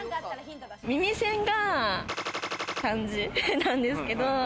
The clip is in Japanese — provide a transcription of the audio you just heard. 耳栓が感じなんですけど。